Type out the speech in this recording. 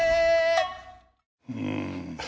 うん